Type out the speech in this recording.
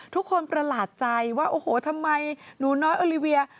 ประหลาดใจว่าโอ้โหทำไมหนูน้อยโอลิเวีย